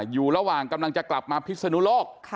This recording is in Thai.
อยู่ระหว่างกำลังจะกลับมาพิศนุโลก